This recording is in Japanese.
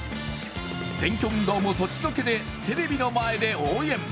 選挙運動もそっちのけでテレビの前で応援。